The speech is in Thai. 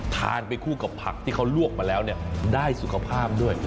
ทานไปคู่กับผักที่เขาลวกมาแล้วได้สุขภาพด้วย